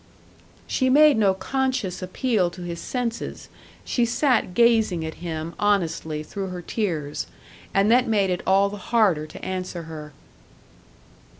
She made no conscious appeal to his senses; she sat gazing at him honestly through her tears, and that made it all the harder to answer her.